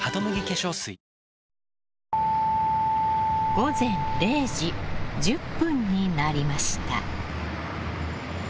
午前０時１０分になりました。